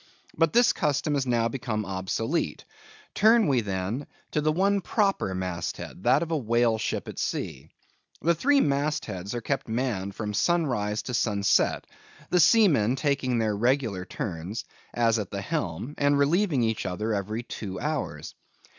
But this custom has now become obsolete; turn we then to the one proper mast head, that of a whale ship at sea. The three mast heads are kept manned from sun rise to sun set; the seamen taking their regular turns (as at the helm), and relieving each other every two hours.